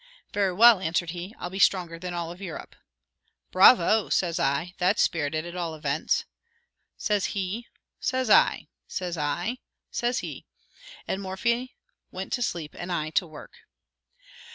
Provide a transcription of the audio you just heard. "Very well," answered he, "I'll be stronger than all Europe." "Bravo," says I, "that's spirited, at all events." Says he says I says I says he and Morphy went to sleep and I to work.